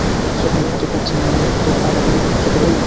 সেখানে প্রতি প্রার্থীর নামে একটি করে ডালা দিয়ে পুজো দেন মন্দিরে।